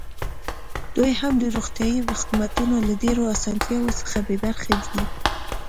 دوی هم د روغتیايي خدمتونو له ډېرو اسانتیاوو څخه بې برخې دي.